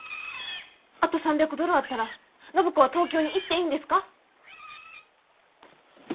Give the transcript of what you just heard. あと３００ドルあったら暢子は東京に行っていいんですか？